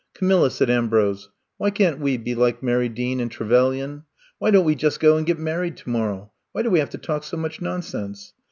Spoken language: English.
'* Camilla,'' said Ambrose, why can't we be like Mary Dean and Trevelyan? Why don't we just go and get married to morrow? Why do we have to talk so much nonsense!